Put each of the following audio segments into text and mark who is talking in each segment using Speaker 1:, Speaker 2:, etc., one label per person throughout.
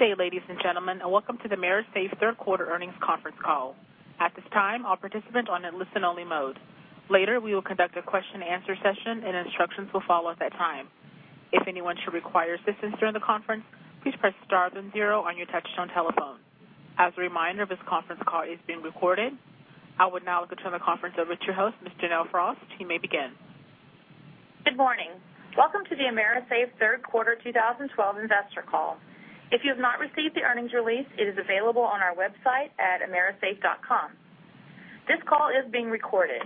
Speaker 1: Good day, ladies and gentlemen, and welcome to the AMERISAFE third quarter earnings conference call. At this time, all participants are on listen-only mode. Later, we will conduct a question-and-answer session, and instructions will follow at that time. If anyone should require assistance during the conference, please press star then zero on your touchtone telephone. As a reminder, this conference call is being recorded. I would now like to turn the conference over to your host, Ms. Janelle Frost. You may begin.
Speaker 2: Good morning. Welcome to the AMERISAFE third quarter 2012 investor call. If you have not received the earnings release, it is available on our website at amerisafe.com. This call is being recorded.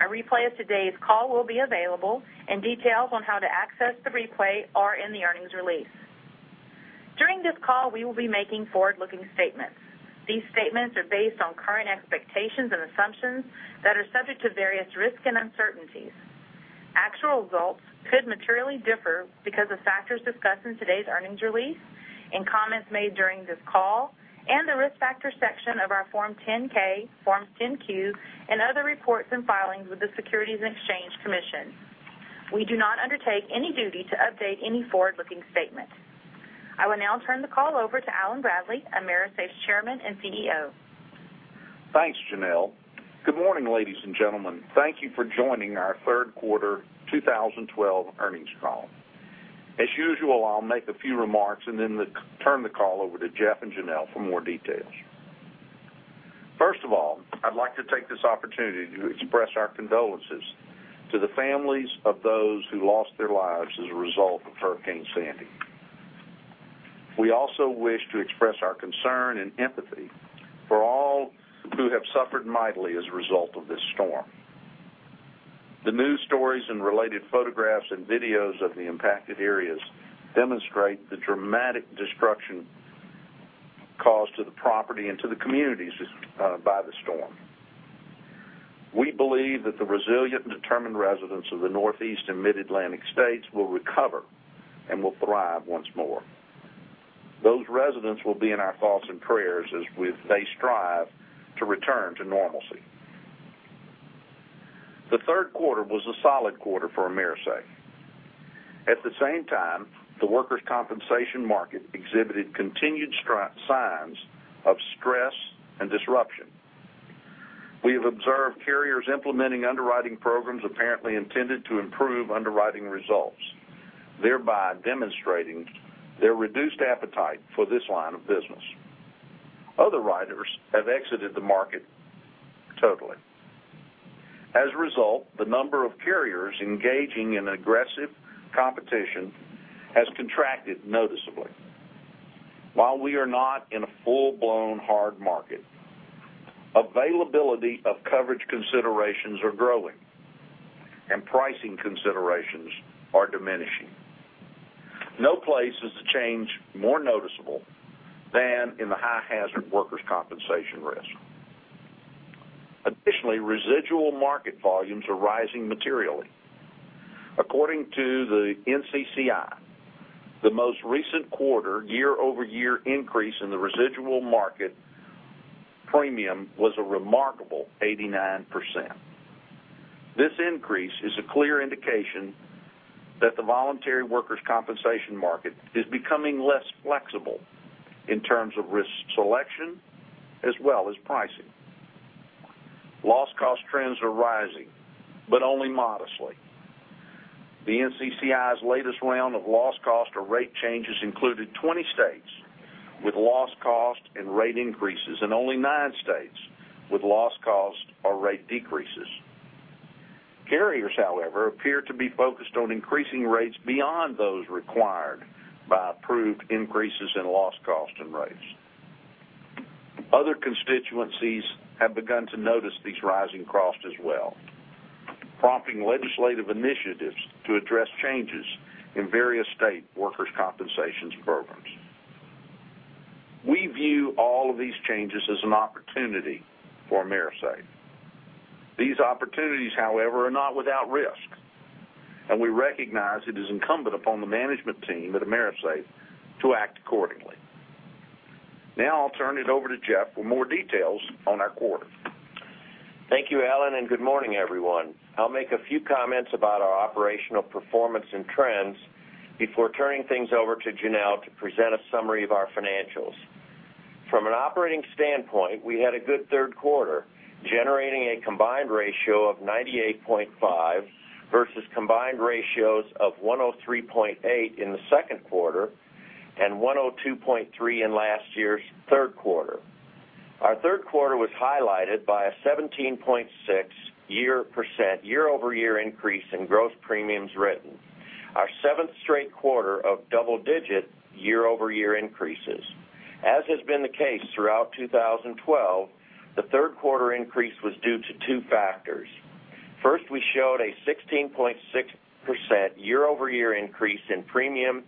Speaker 2: A replay of today's call will be available, and details on how to access the replay are in the earnings release. During this call, we will be making forward-looking statements. These statements are based on current expectations and assumptions that are subject to various risks and uncertainties. Actual results could materially differ because of factors discussed in today's earnings release and comments made during this call and the Risk Factors section of our Form 10-K, Forms 10-Q, and other reports and filings with the Securities and Exchange Commission. We do not undertake any duty to update any forward-looking statement. I will now turn the call over to Allen Bradley, AMERISAFE's Chairman and CEO.
Speaker 3: Thanks, Janelle. Good morning, ladies and gentlemen. Thank you for joining our third quarter 2012 earnings call. As usual, I'll make a few remarks and then turn the call over to Jeff and Janelle for more details. First of all, I'd like to take this opportunity to express our condolences to the families of those who lost their lives as a result of Hurricane Sandy. We also wish to express our concern and empathy for all who have suffered mightily as a result of this storm. The news stories and related photographs and videos of the impacted areas demonstrate the dramatic destruction caused to the property and to the communities by the storm. We believe that the resilient and determined residents of the Northeast and Mid-Atlantic states will recover and will thrive once more. Those residents will be in our thoughts and prayers as they strive to return to normalcy. The third quarter was a solid quarter for AMERISAFE. At the same time, the workers' compensation market exhibited continued signs of stress and disruption. We have observed carriers implementing underwriting programs apparently intended to improve underwriting results, thereby demonstrating their reduced appetite for this line of business. Other writers have exited the market totally. As a result, the number of carriers engaging in aggressive competition has contracted noticeably. While we are not in a full-blown hard market, availability of coverage considerations are growing, and pricing considerations are diminishing. No place is the change more noticeable than in the high hazard workers' compensation risk. Additionally, residual market volumes are rising materially. According to the NCCI, the most recent quarter year-over-year increase in the residual market premium was a remarkable 89%. This increase is a clear indication that the voluntary workers' compensation market is becoming less flexible in terms of risk selection as well as pricing. Loss cost trends are rising but only modestly. The NCCI's latest round of loss cost or rate changes included 20 states with loss cost and rate increases and only nine states with loss cost or rate decreases. Carriers, however, appear to be focused on increasing rates beyond those required by approved increases in loss cost and rates. Other constituencies have begun to notice these rising costs as well, prompting legislative initiatives to address changes in various state workers' compensation programs. We view all of these changes as an opportunity for AMERISAFE. These opportunities, however, are not without risk, and we recognize it is incumbent upon the management team at AMERISAFE to act accordingly. I'll turn it over to Jeff for more details on our quarter.
Speaker 4: Thank you, Alan, and good morning, everyone. I'll make a few comments about our operational performance and trends before turning things over to Janelle to present a summary of our financials. From an operating standpoint, we had a good third quarter, generating a combined ratio of 98.5 versus combined ratios of 103.8 in the second quarter and 102.3 in last year's third quarter. Our third quarter was highlighted by a 17.6% year-over-year increase in gross premiums written, our seventh straight quarter of double-digit year-over-year increases. As has been the case throughout 2012, the third quarter increase was due to two factors. First, we showed a 16.6% year-over-year increase in premium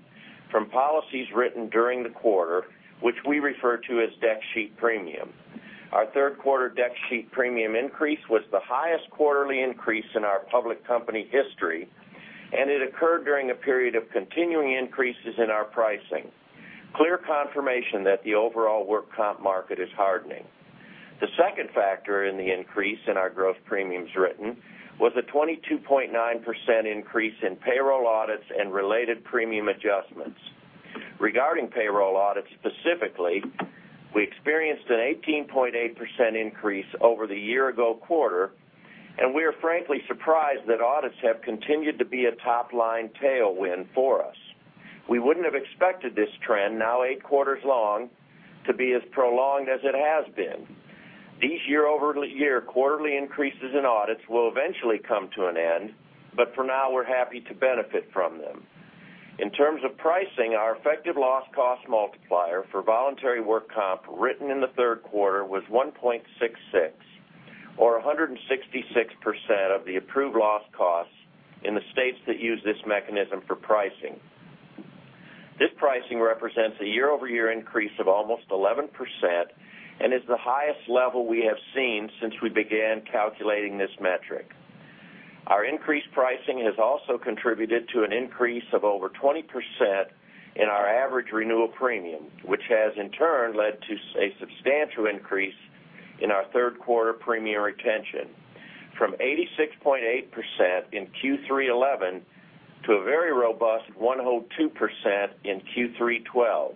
Speaker 4: from policies written during the quarter, which we refer to as deck sheet premium. Our third quarter deck sheet premium increase was the highest quarterly increase in our public company history, and it occurred during a period of continuing increases in our pricing. Clear confirmation that the overall work comp market is hardening. The second factor in the increase in our growth premiums written was a 22.9% increase in payroll audits and related premium adjustments. Regarding payroll audits specifically, we experienced an 18.8% increase over the year-ago quarter, and we are frankly surprised that audits have continued to be a top-line tailwind for us. We wouldn't have expected this trend, now eight quarters long, to be as prolonged as it has been. These year-over-year quarterly increases in audits will eventually come to an end, but for now, we're happy to benefit from them. In terms of pricing, our effective loss cost multiplier for voluntary work comp written in the third quarter was 1.66 or 166% of the approved loss costs in the states that use this mechanism for pricing. This pricing represents a year-over-year increase of almost 11% and is the highest level we have seen since we began calculating this metric. Our increased pricing has also contributed to an increase of over 20% in our average renewal premium, which has, in turn, led to a substantial increase in our third-quarter premium retention, from 86.8% in Q3 2011 to a very robust 102% in Q3 2012.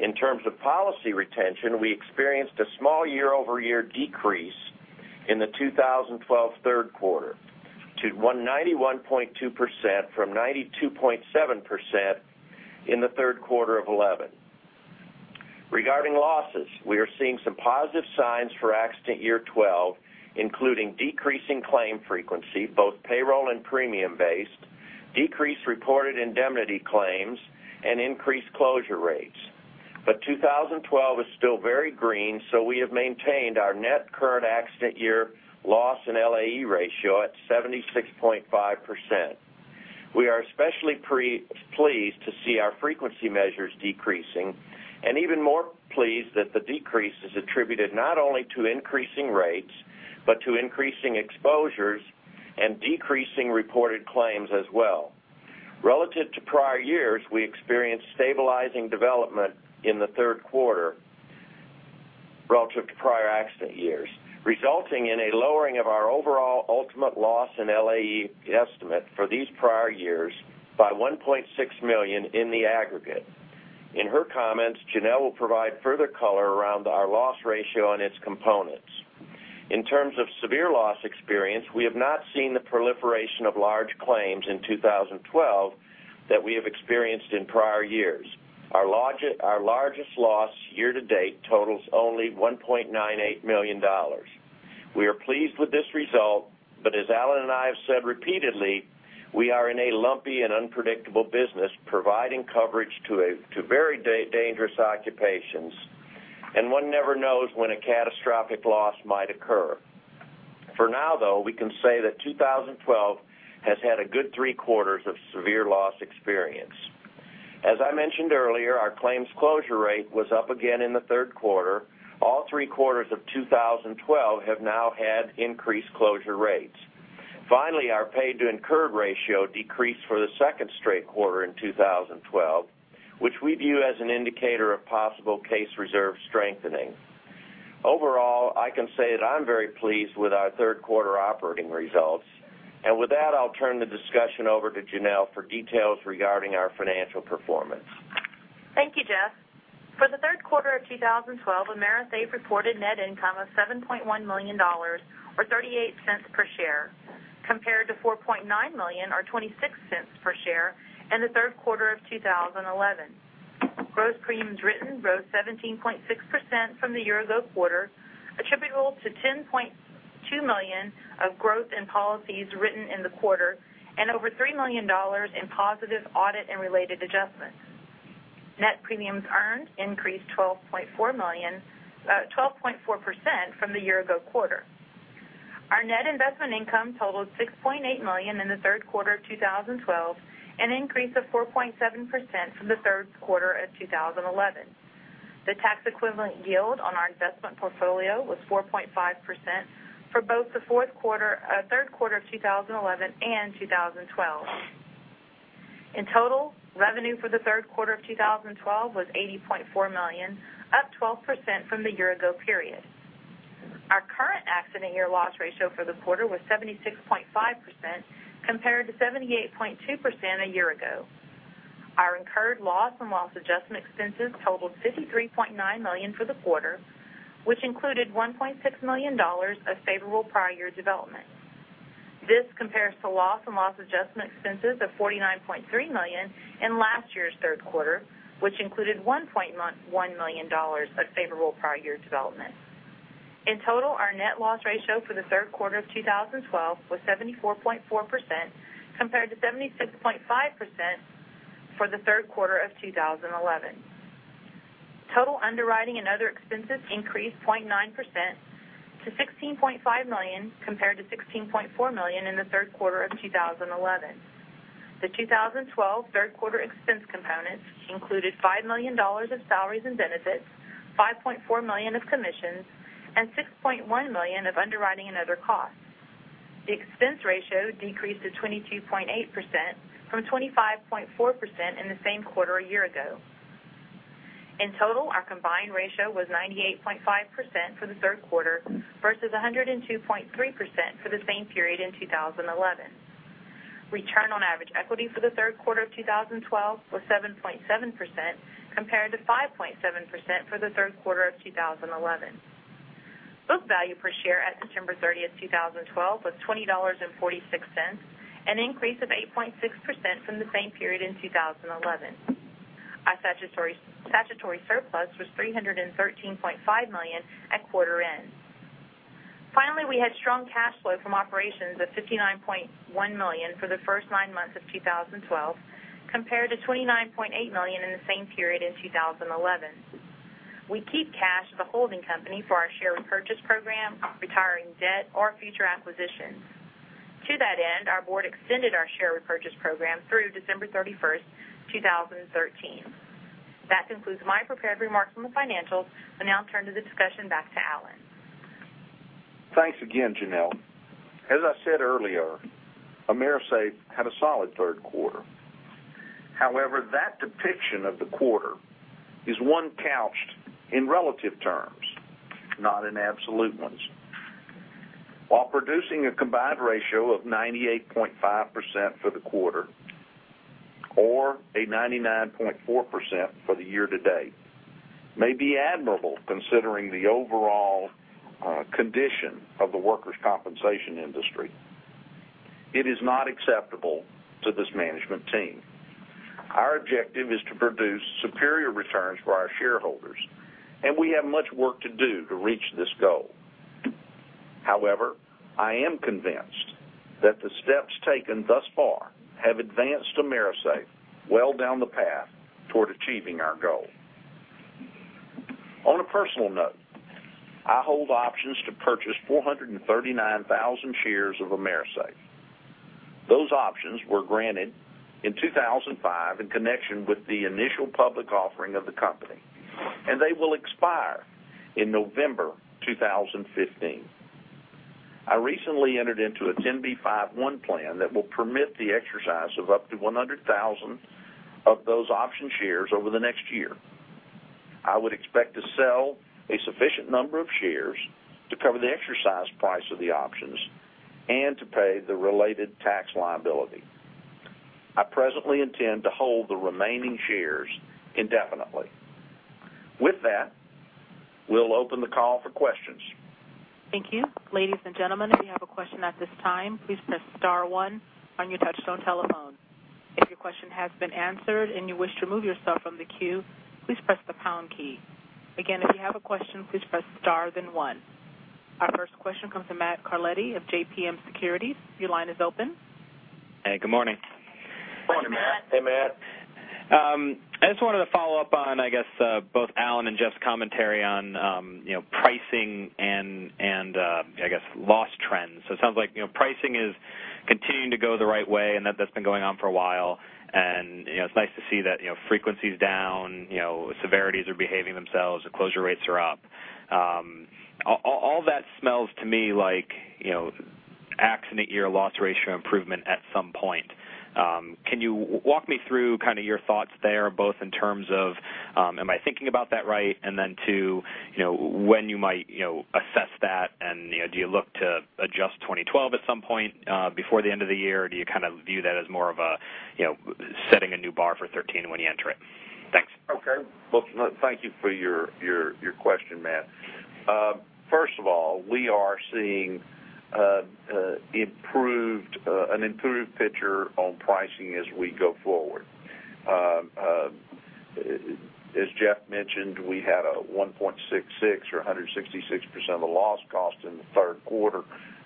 Speaker 4: In terms of policy retention, we experienced a small year-over-year decrease in the 2012 third quarter to 91.2% from 92.7% in the third quarter of 2011. Regarding losses, we are seeing some positive signs for accident year 2012, including decreasing claim frequency, both payroll and premium based, decreased reported indemnity claims, and increased closure rates. 2012 is still very green, so we have maintained our net current accident year loss and LAE ratio at 76.5%. We are especially pleased to see our frequency measures decreasing and even more pleased that the decrease is attributed not only to increasing rates, but to increasing exposures and decreasing reported claims as well. Relative to prior years, we experienced stabilizing development in the third quarter relative to prior accident years, resulting in a lowering of our overall ultimate loss in LAE estimate for these prior years by $1.6 million in the aggregate. In her comments, Janelle will provide further color around our loss ratio and its components. In terms of severe loss experience, we have not seen the proliferation of large claims in 2012 that we have experienced in prior years. Our largest loss year-to-date totals only $1.98 million. We are pleased with this result, but as Alan and I have said repeatedly, we are in a lumpy and unpredictable business providing coverage to very dangerous occupations, and one never knows when a catastrophic loss might occur. For now, though, we can say that 2012 has had a good three quarters of severe loss experience. As I mentioned earlier, our claims closure rate was up again in the third quarter. All three quarters of 2012 have now had increased closure rates. Finally, our paid to incurred ratio decreased for the second straight quarter in 2012, which we view as an indicator of possible case reserve strengthening. Overall, I can say that I'm very pleased with our third-quarter operating results. With that, I'll turn the discussion over to Janelle for details regarding our financial performance.
Speaker 2: Thank you, Jeff. For the third quarter of 2012, AMERISAFE reported net income of $7.1 million, or $0.38 per share, compared to $4.9 million or $0.26 per share in the third quarter of 2011. Gross premiums written rose 17.6% from the year-ago quarter, attributable to $10.2 million of growth in policies written in the quarter and over $3 million in positive audit and related adjustments. Net premiums earned increased 12.4% from the year-ago quarter. Our net investment income totaled $6.8 million in the third quarter of 2012, an increase of 4.7% from the third quarter of 2011. The tax equivalent yield on our investment portfolio was 4.5% for both the third quarter of 2011 and 2012. In total, revenue for the third quarter of 2012 was $80.4 million, up 12% from the year-ago period. Our current accident year loss ratio for the quarter was 76.5%, compared to 78.2% a year ago. Our incurred loss and loss adjustment expenses totaled $53.9 million for the quarter, which included $1.6 million of favorable prior year development. This compares to loss and loss adjustment expenses of $49.3 million in last year's third quarter, which included $1.1 million of favorable prior year development. In total, our net loss ratio for the third quarter of 2012 was 74.4%, compared to 76.5% for the third quarter of 2011. Total underwriting and other expenses increased 0.9% to $16.5 million, compared to $16.4 million in the third quarter of 2011. The 2012 third-quarter expense components included $5 million of salaries and benefits, $5.4 million of commissions, and $6.1 million of underwriting and other costs. The expense ratio decreased to 22.8% from 25.4% in the same quarter a year ago. In total, our combined ratio was 98.5% for the third quarter versus 102.3% for the same period in 2011. Return on average equity for the third quarter of 2012 was 7.7%, compared to 5.7% for the third quarter of 2011. Book value per share at September 30th, 2012 was $20.46, an increase of 8.6% from the same period in 2011. Our statutory surplus was $313.5 million at quarter end. Finally, we had strong cash flow from operations of $59.1 million for the first nine months of 2012, compared to $29.8 million in the same period in 2011. We keep cash as a holding company for our share repurchase program, retiring debt, or future acquisitions. To that end, our board extended our share repurchase program through December 31st, 2013. That concludes my prepared remarks on the financials. I now turn to the discussion back to Alan.
Speaker 3: Thanks again, Janelle. As I said earlier, AMERISAFE had a solid third quarter. That depiction of the quarter is one couched in relative terms, not in absolute ones. While producing a combined ratio of 98.5% for the quarter or a 99.4% for the year to date may be admirable considering the overall condition of the workers' compensation industry, it is not acceptable to this management team. Our objective is to produce superior returns for our shareholders, we have much work to do to reach this goal. I am convinced that the steps taken thus far have advanced AMERISAFE well down the path toward achieving our goal. On a personal note, I hold options to purchase 439,000 shares of AMERISAFE. Those options were granted in 2005 in connection with the initial public offering of the company, they will expire in November 2015. I recently entered into a 10b5-1 plan that will permit the exercise of up to 100,000 of those option shares over the next year. I would expect to sell a sufficient number of shares to cover the exercise price of the options and to pay the related tax liability. I presently intend to hold the remaining shares indefinitely. With that, we'll open the call for questions.
Speaker 1: Thank you. Ladies and gentlemen, if you have a question at this time, please press *1 on your touchtone telephone. If your question has been answered and you wish to remove yourself from the queue, please press the # key. Again, if you have a question, please press star then 1. Our first question comes from Matthew Carletti of JMP Securities. Your line is open.
Speaker 5: Hey, good morning.
Speaker 3: Morning, Matt. Hey, Matt.
Speaker 5: I just wanted to follow up on, both Alan and Jeff's commentary on pricing and loss trends. It sounds like pricing is continuing to go the right way and that's been going on for a while, and it's nice to see that frequency's down, severities are behaving themselves, the closure rates are up. All that smells to me like accident year loss ratio improvement at some point. Can you walk me through your thoughts there, both in terms of am I thinking about that right? When you might assess that and do you look to adjust 2012 at some point before the end of the year? Do you view that as more of setting a new bar for 2013 when you enter it? Thanks.
Speaker 3: Okay. Well, thank you for your question, Matt. First of all, we are seeing an improved picture on pricing as we go forward. As Jeff mentioned, we had a 1.66 or 166% of the loss cost in the third quarter.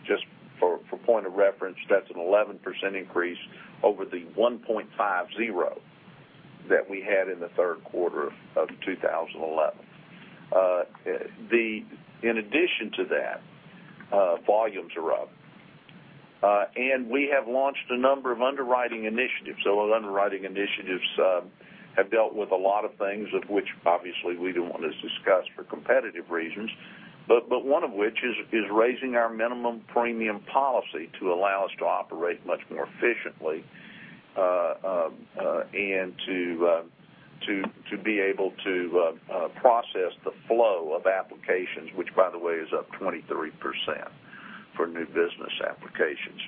Speaker 3: Just for point of reference, that's an 11% increase over the 1.50 that we had in the third quarter of 2011. In addition to that, volumes are up. We have launched a number of underwriting initiatives. Those underwriting initiatives have dealt with a lot of things of which obviously we don't want to discuss for competitive reasons, but one of which is raising our minimum premium policy to allow us to operate much more efficiently, and to be able to process the flow of applications, which by the way, is up 23% for new business applications.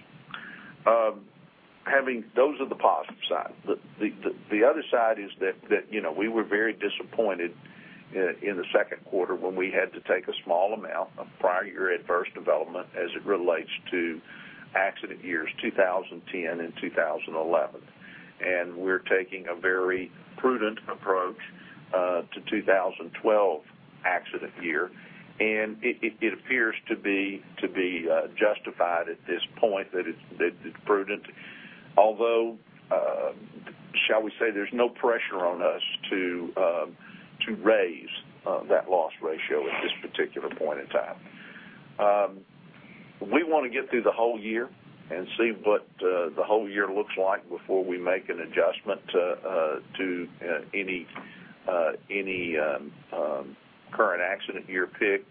Speaker 3: Those are the positive side. The other side is that we were very disappointed in the second quarter when we had to take a small amount of prior year adverse development as it relates to accident years 2010 and 2011. We're taking a very prudent approach to 2012 accident year, and it appears to be justified at this point that it's prudent. Although, shall we say, there's no pressure on us to raise that loss ratio at this particular point in time. We want to get through the whole year and see what the whole year looks like before we make an adjustment to any current accident year pick,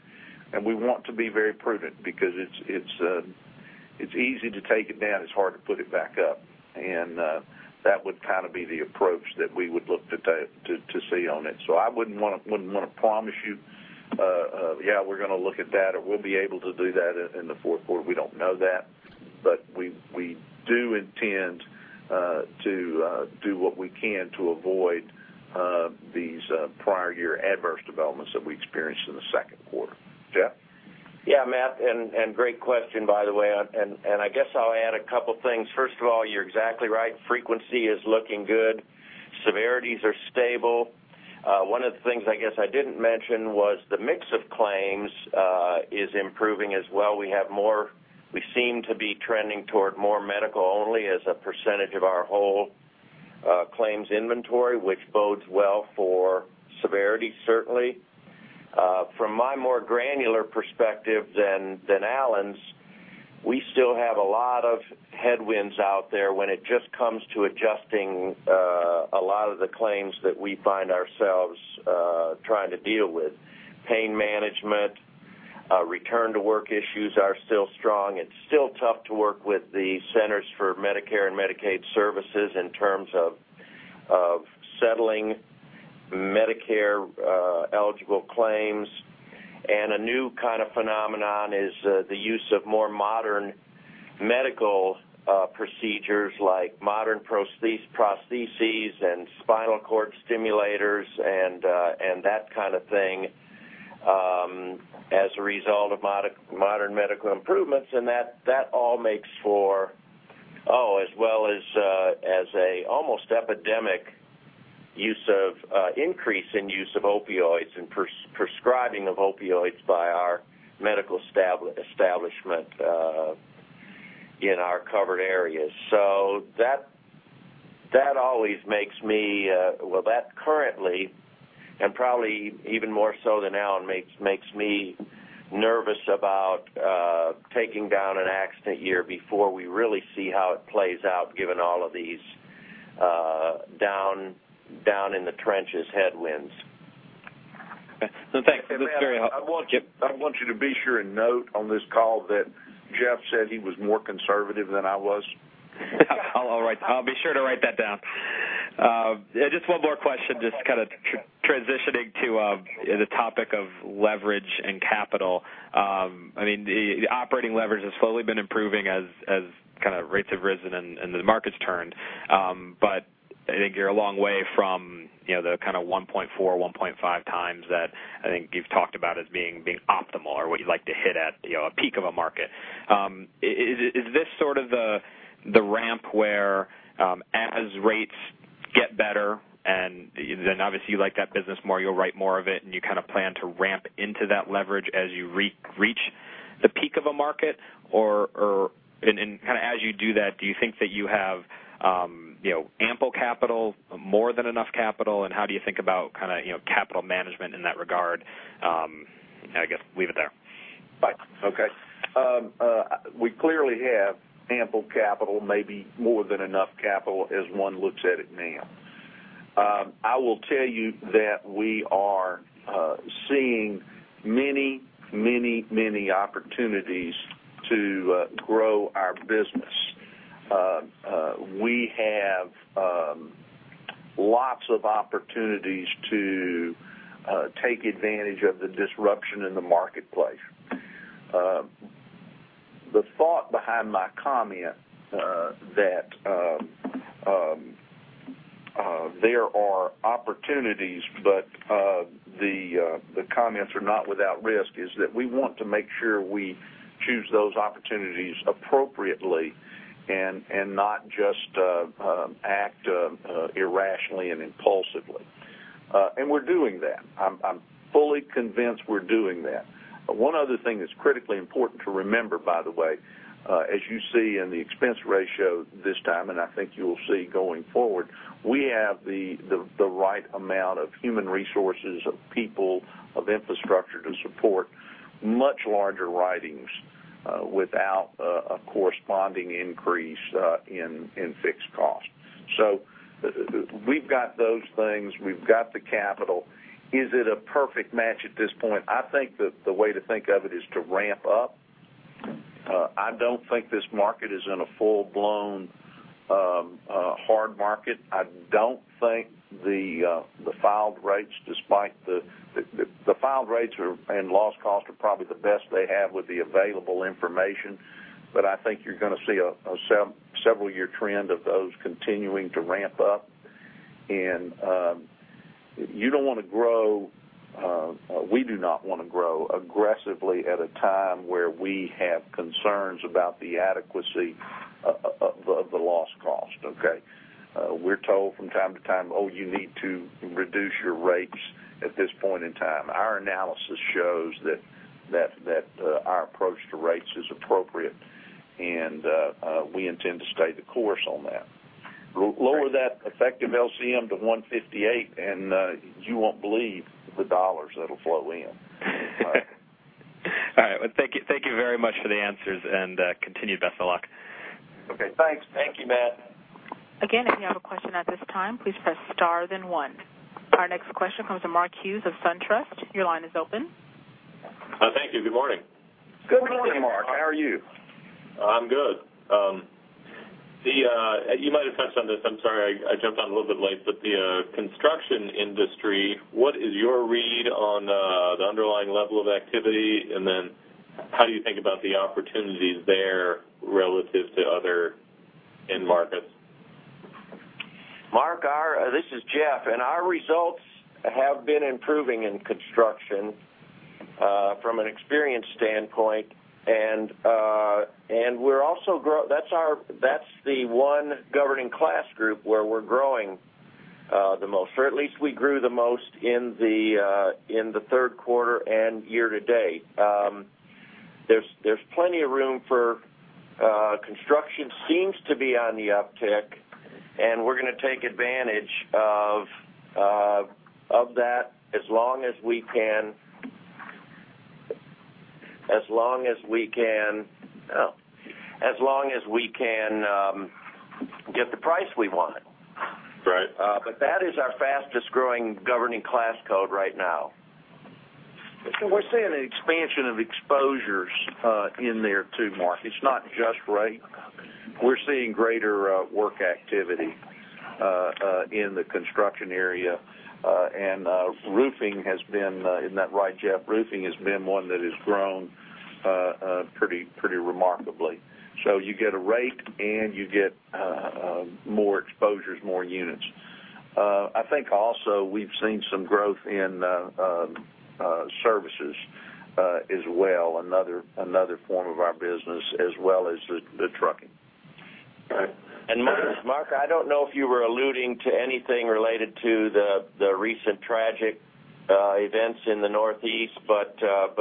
Speaker 3: and we want to be very prudent because it's easy to take it down, it's hard to put it back up. That would be the approach that we would look to see on it. I wouldn't want to promise you, yeah, we're going to look at that, or we'll be able to do that in the fourth quarter. We don't know that, but we do intend to do what we can to avoid these prior year adverse developments that we experienced in the second quarter. Jeff?
Speaker 4: Yeah, Matt, great question by the way. I guess I'll add a couple things. First of all, you're exactly right, frequency is looking good. Severities are stable. One of the things I guess I didn't mention was the mix of claims is improving as well. We seem to be trending toward more medical only as a percentage of our whole claims inventory, which bodes well for severity, certainly. From my more granular perspective than Alan's, we still have a lot of headwinds out there when it just comes to adjusting a lot of the claims that we find ourselves trying to deal with. Pain management, return to work issues are still strong. It's still tough to work with the Centers for Medicare & Medicaid Services in terms of settling Medicare eligible claims. A new kind of phenomenon is the use of more modern medical procedures like modern prostheses and spinal cord stimulators and that kind of thing, as a result of modern medical improvements. As well as an almost epidemic increase in use of opioids and prescribing of opioids by our medical establishment in our covered areas. That currently, and probably even more so than Alan, makes me nervous about taking down an accident year before we really see how it plays out given all of these down in the trenches headwinds.
Speaker 5: No, thanks. That's very helpful.
Speaker 3: I want you to be sure and note on this call that Jeff said he was more conservative than I was.
Speaker 5: I'll be sure to write that down. Just one more question, just kind of transitioning to the topic of leverage and capital. The operating leverage has slowly been improving as kind of rates have risen and the market's turned. I think you're a long way from the kind of 1.4x, 1.5x that I think you've talked about as being optimal or what you'd like to hit at a peak of a market. Is this sort of the ramp where as rates get better and then obviously you like that business more, you'll write more of it and you kind of plan to ramp into that leverage as you reach the peak of a market? Kind of as you do that, do you think that you have ample capital, more than enough capital, and how do you think about capital management in that regard? I guess leave it there.
Speaker 3: Right. Okay. We clearly have ample capital, maybe more than enough capital as one looks at it now. I will tell you that we are seeing many opportunities to grow our business. We have lots of opportunities to take advantage of the disruption in the marketplace. The thought behind my comment that there are opportunities but the comments are not without risk, is that we want to make sure we choose those opportunities appropriately and not just act irrationally and impulsively. We're doing that. I'm fully convinced we're doing that. One other thing that's critically important to remember, by the way, as you see in the expense ratio this time, and I think you will see going forward, we have the right amount of human resources, of people, of infrastructure to support much larger writings without a corresponding increase in fixed cost. We've got those things, we've got the capital. Is it a perfect match at this point? I think that the way to think of it is to ramp up. I don't think this market is in a full-blown hard market. The filed rates and loss cost are probably the best they have with the available information, but I think you're going to see a several year trend of those continuing to ramp up. We do not want to grow aggressively at a time where we have concerns about the adequacy of the loss cost, okay? We're told from time to time, oh, you need to reduce your rates at this point in time. Our analysis shows that our approach to rates is appropriate, and we intend to stay the course on that. Lower that effective LCM to 158 and you won't believe the dollars that'll flow in.
Speaker 5: All right. Well, thank you very much for the answers and continued best of luck.
Speaker 3: Okay, thanks.
Speaker 4: Thank you, Matt.
Speaker 1: If you have a question at this time, please press star then one. Our next question comes from Mark Hughes of SunTrust. Your line is open.
Speaker 6: Thank you. Good morning.
Speaker 4: Good morning, Mark. How are you?
Speaker 6: I'm good. You might have touched on this, I'm sorry, I jumped on a little bit late, but the construction industry, what is your read on the underlying level of activity, and then how do you think about the opportunities there relative to other end markets?
Speaker 4: Mark, this is Jeff. Our results have been improving in construction from an experience standpoint. That's the one governing class group where we're growing the most, or at least we grew the most in the third quarter and year to date. There's plenty of room for construction seems to be on the uptick. We're going to take advantage of that as long as we can get the price we want.
Speaker 6: Right.
Speaker 4: That is our fastest growing governing class code right now.
Speaker 3: We're seeing an expansion of exposures in there too, Mark. It's not just rate. We're seeing greater work activity in the construction area. Roofing has been, isn't that right, Jeff? Roofing has been one that has grown pretty remarkably. You get a rate and you get more exposures, more units. I think also we've seen some growth in services as well, another form of our business, as well as the trucking.
Speaker 6: Right.
Speaker 4: Mark, I don't know if you were alluding to anything related to the recent tragic events in the Northeast, but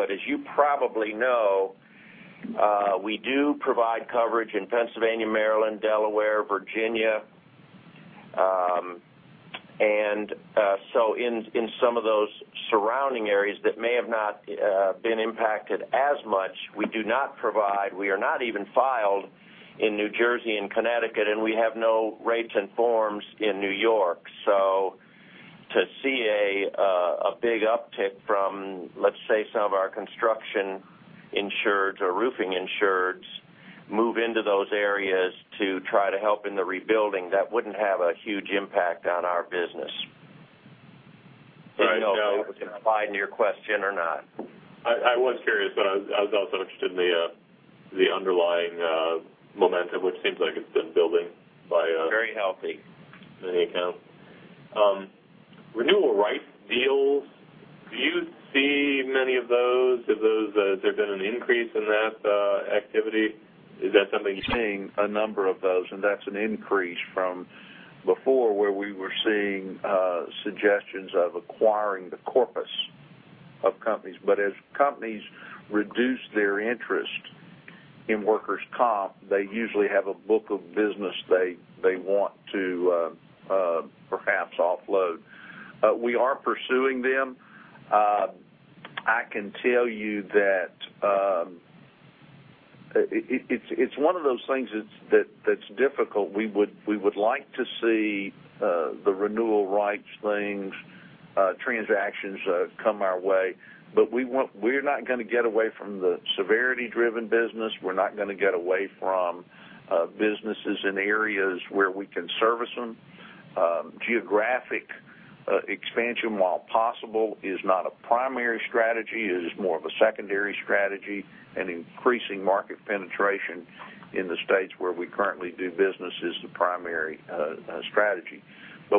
Speaker 4: as you probably know, we do provide coverage in Pennsylvania, Maryland, Delaware, Virginia. In some of those surrounding areas that may have not been impacted as much, we do not provide, we are not even filed in New Jersey and Connecticut, and we have no rates and forms in New York. To see a big uptick from, let's say, some of our construction insureds or roofing insureds move into those areas to try to help in the rebuilding, that wouldn't have a huge impact on our business.
Speaker 6: Right.
Speaker 4: I didn't know if that was going to apply to your question or not.
Speaker 6: I was curious, but I was also interested in the underlying momentum, which seems like it's been building by-
Speaker 4: Very healthy
Speaker 6: many accounts. Renewal rights deals, do you see many of those? Has there been an increase in that activity? Is that something you're seeing?
Speaker 3: A number of those, and that's an increase from before where we were seeing suggestions of acquiring the corpus of companies. As companies reduce their interest in workers' comp, they usually have a book of business they want to perhaps offload. We are pursuing them. I can tell you that it's one of those things that's difficult. We would like to see the renewal rights things, transactions come our way, but we're not going to get away from the severity-driven business. We're not going to get away from businesses in areas where we can service them. Geographic expansion, while possible, is not a primary strategy, it is more of a secondary strategy, and increasing market penetration in the states where we currently do business is the primary strategy.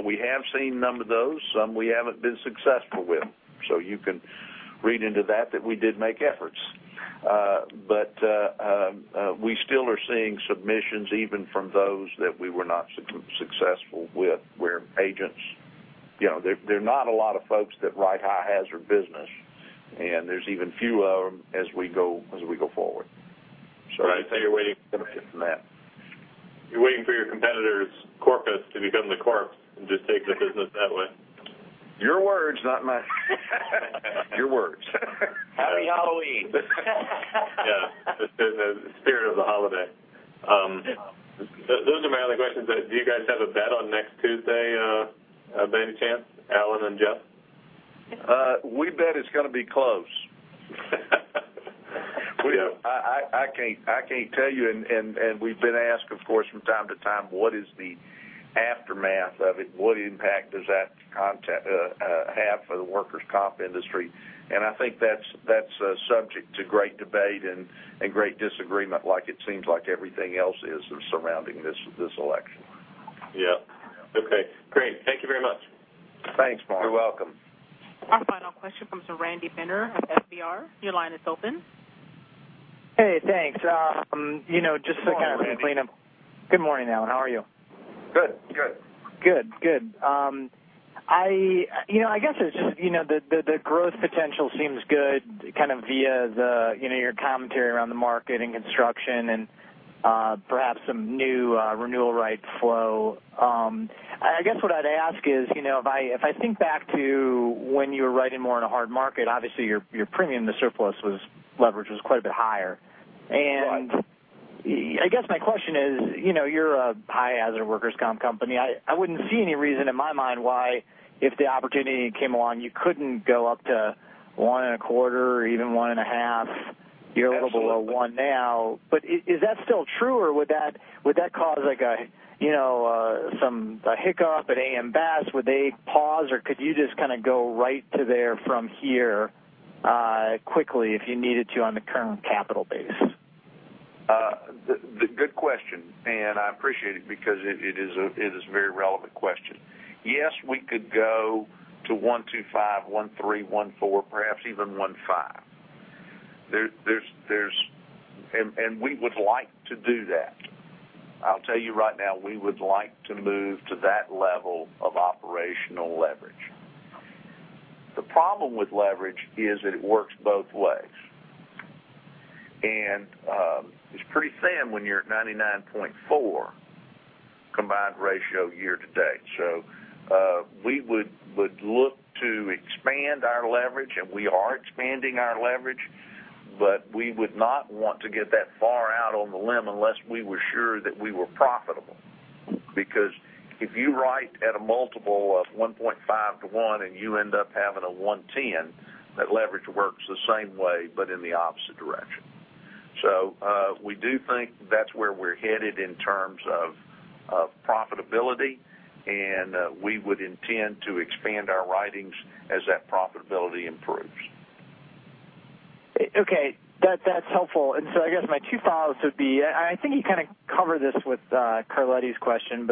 Speaker 3: We have seen a number of those, some we haven't been successful with. You can read into that we did make efforts. We still are seeing submissions even from those that we were not successful with, where agents, there are not a lot of folks that write high hazard business, and there's even fewer of them as we go forward.
Speaker 6: Right. You're waiting.
Speaker 3: Going to get from that.
Speaker 6: You're waiting for your competitor's corpus to become the corp and just take the business that way.
Speaker 3: Your words, not mine. Your words.
Speaker 4: Happy Halloween.
Speaker 6: Yeah. The spirit of the holiday. Those are my only questions. Do you guys have a bet on next Tuesday by any chance, Alan and Jeff?
Speaker 3: We bet it's going to be close. I can't tell you, and we've been asked, of course, from time to time, what is the aftermath of it? What impact does that have for the workers' comp industry? I think that's a subject to great debate and great disagreement, like it seems like everything else is surrounding this election.
Speaker 6: Yeah. Okay, great. Thank you very much.
Speaker 3: Thanks, Mark.
Speaker 4: You're welcome.
Speaker 1: Our final question comes from Randy Binner at FBR. Your line is open.
Speaker 7: Hey, thanks.
Speaker 4: Good morning, Randy.
Speaker 3: Good morning, Alan. How are you?
Speaker 4: Good. Good.
Speaker 7: Good. I guess it's just the growth potential seems good kind of via your commentary around the market and construction. Perhaps some new renewal right flow. I guess what I'd ask is, if I think back to when you were writing more in a hard market, obviously your premium to surplus leverage was quite a bit higher.
Speaker 3: Right.
Speaker 7: I guess my question is, you're a high hazard workers' comp company. I wouldn't see any reason in my mind why, if the opportunity came along, you couldn't go up to 1.25 or even 1.5. You're a little below 1 now. Is that still true, or would that cause a hiccup at AM Best? Would they pause, or could you just go right to there from here quickly if you needed to on the current capital base?
Speaker 3: Good question, I appreciate it because it is a very relevant question. Yes, we could go to 1.25, 1.3, 1.4, perhaps even 1.5. We would like to do that. I'll tell you right now, we would like to move to that level of operational leverage. The problem with leverage is that it works both ways. It's pretty thin when you're at 99.4% combined ratio year-to-date. We would look to expand our leverage, and we are expanding our leverage, but we would not want to get that far out on the limb unless we were sure that we were profitable. Because if you write at a multiple of 1.5 to 1 and you end up having a 1.10, that leverage works the same way, but in the opposite direction. We do think that's where we're headed in terms of profitability, and we would intend to expand our writings as that profitability improves.
Speaker 7: Okay. That's helpful. I guess my two follows would be, I think you kind of covered this with Carletti's question,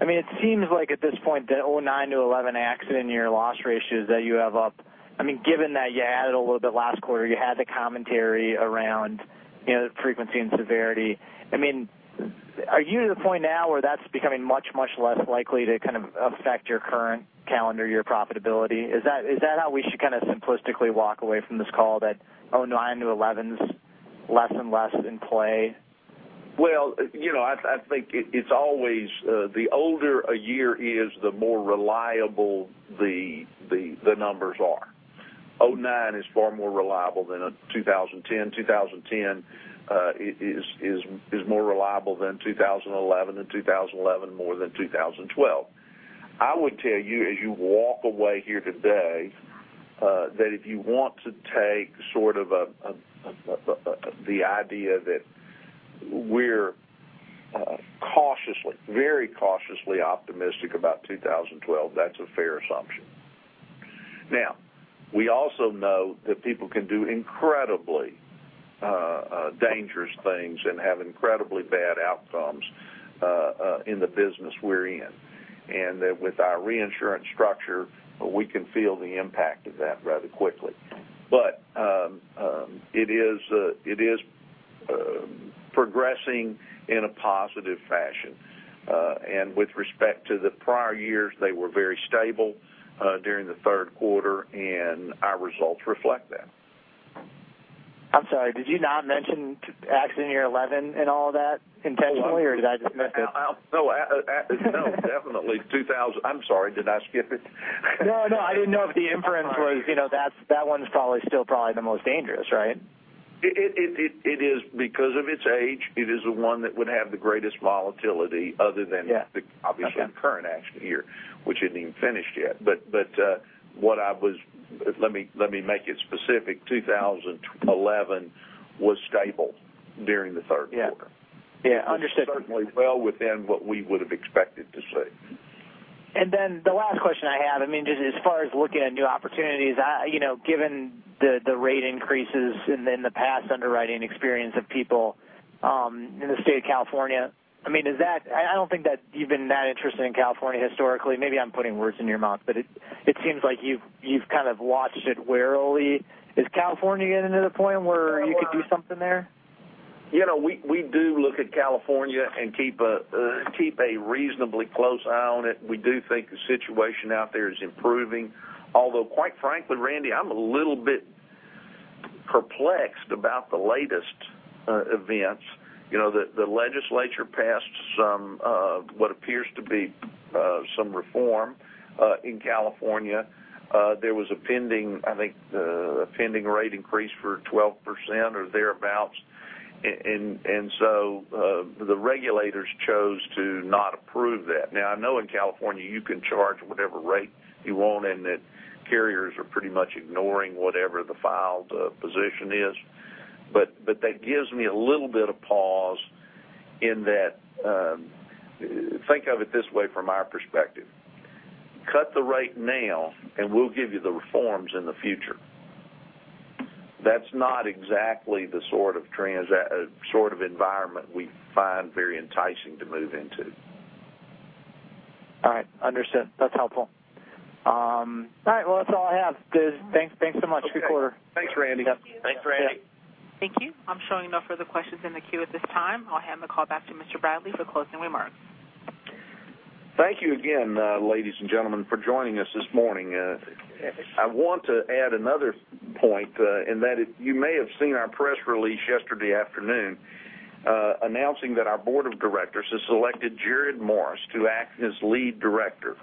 Speaker 7: it seems like at this point that 2009 to 2011 accident year loss ratios that you have up, given that you added a little bit last quarter, you had the commentary around frequency and severity. Are you to the point now where that's becoming much, much less likely to affect your current calendar year profitability? Is that how we should simplistically walk away from this call that 2009 to 2011's less and less in play?
Speaker 3: Well, I think it's always the older a year is, the more reliable the numbers are. 2009 is far more reliable than a 2010. 2010 is more reliable than 2011, and 2011 more than 2012. I would tell you as you walk away here today, that if you want to take the idea that we're cautiously, very cautiously optimistic about 2012, that's a fair assumption. We also know that people can do incredibly dangerous things and have incredibly bad outcomes in the business we're in. With our reinsurance structure, we can feel the impact of that rather quickly. It is progressing in a positive fashion. With respect to the prior years, they were very stable during the third quarter, and our results reflect that.
Speaker 7: I'm sorry, did you not mention accident year 2011 in all that intentionally, or did I just miss it?
Speaker 3: No, definitely. I'm sorry, did I skip it?
Speaker 7: No, I didn't know if the inference was that one's probably still probably the most dangerous, right?
Speaker 3: It is. Because of its age, it is the one that would have the greatest volatility other than-
Speaker 7: Yeah. Okay
Speaker 3: obviously the current action year, which isn't even finished yet. Let me make it specific, 2011 was stable during the third quarter.
Speaker 7: Yeah. Understood.
Speaker 3: Certainly well within what we would've expected to see.
Speaker 7: The last question I have, just as far as looking at new opportunities, given the rate increases and then the past underwriting experience of people in the state of California, I don't think that you've been that interested in California historically. Maybe I'm putting words in your mouth, but it seems like you've watched it warily. Is California getting to the point where you could do something there?
Speaker 3: We do look at California and keep a reasonably close eye on it. We do think the situation out there is improving. Although, quite frankly, Randy, I'm a little bit perplexed about the latest events. The legislature passed what appears to be some reform in California. There was a pending rate increase for 12% or thereabouts, and so the regulators chose to not approve that. Now, I know in California you can charge whatever rate you want and that carriers are pretty much ignoring whatever the filed position is, but that gives me a little bit of pause in that, think of it this way from our perspective. Cut the rate now, and we'll give you the reforms in the future. That's not exactly the sort of environment we find very enticing to move into.
Speaker 7: All right. Understood. That's helpful. All right. Well, that's all I have. Thanks so much. Good quarter.
Speaker 3: Thanks, Randy.
Speaker 7: Yep.
Speaker 3: Thanks, Randy.
Speaker 7: Yeah.
Speaker 1: Thank you. I'm showing no further questions in the queue at this time. I'll hand the call back to Mr. Bradley for closing remarks.
Speaker 3: Thank you again, ladies and gentlemen, for joining us this morning. I want to add another point in that you may have seen our press release yesterday afternoon announcing that our board of directors has selected Jared Morris to act as lead director.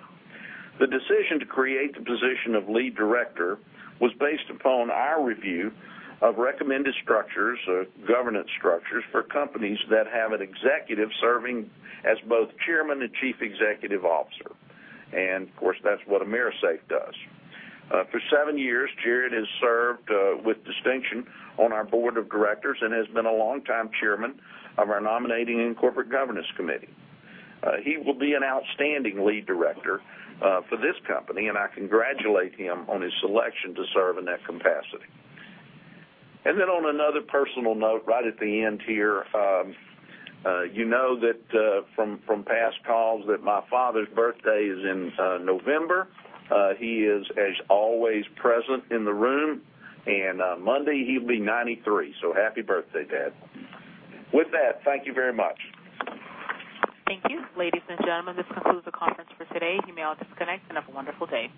Speaker 3: The decision to create the position of lead director was based upon our review of recommended structures, governance structures for companies that have an executive serving as both chairman and chief executive officer. Of course, that's what AMERISAFE does. For seven years, Jared has served with distinction on our board of directors and has been a longtime chairman of our nominating and corporate governance committee. He will be an outstanding lead director for this company, and I congratulate him on his selection to serve in that capacity. On another personal note right at the end here, you know that from past calls that my father's birthday is in November. He is, as always, present in the room. On Monday he'll be 93, so happy birthday, Dad. With that, thank you very much.
Speaker 1: Thank you. Ladies and gentlemen, this concludes the conference for today. You may all disconnect and have a wonderful day.